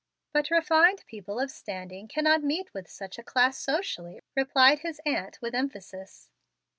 "But refined people of standing cannot meet with such a class socially," replied his aunt, with emphasis.